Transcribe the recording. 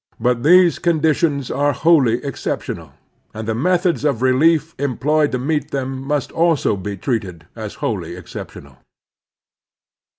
But these conditions are wholly exceptional, and the methods of relief employed to meet them must also be treated as wholly exceptional.